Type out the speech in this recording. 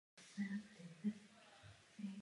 A svůj slib skutečně splnil.